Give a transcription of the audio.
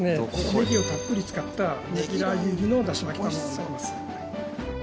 ネギをたっぷり使ったネギラー油入りのだし巻き玉子になります